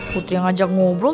putri yang ajak ngobrol